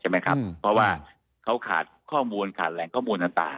เพราะว่าเขาขาดความเงินและแหล่งของมูลต่าง